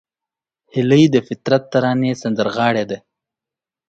هیلۍ د فطرت ترانې سندرغاړې ده